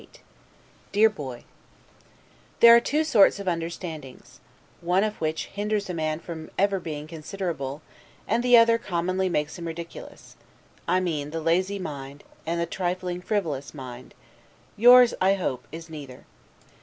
1748 DEAR BOY: There are two sorts of understandings; one of which hinders a man from ever being considerable, and the other commonly makes him ridiculous; I mean the lazy mind, and the trifling, frivolous mind: Yours, I hope, is neither.